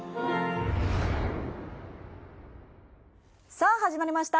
さあ始まりました。